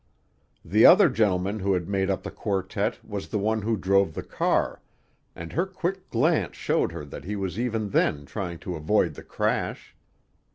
The other gentleman who had made up the quartet was the one who drove the car, and her quick glance showed her that he was even then trying to avoid the crash.